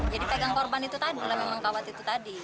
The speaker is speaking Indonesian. jadi pegang korban itu tadi lah memang kawat itu tadi